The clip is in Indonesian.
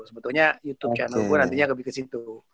sebetulnya youtube channel gue nantinya lebih kesitu